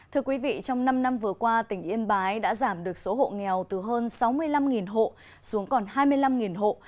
thưa quý vị trong năm năm vừa qua tỉnh yên bái đã giảm được số hộ nghèo từ hơn sáu mươi năm hộ xuống còn hai mươi năm hộ